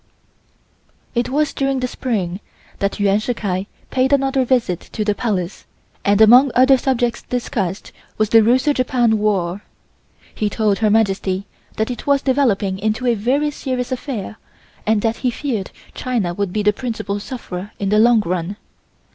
It was during the Spring that Yuan Shih Kai paid another visit to the Palace, and among other subjects discussed was the Russo Japan war. He told Her Majesty that it was developing into a very serious affair and that he feared China would be the principal sufferer in the long run.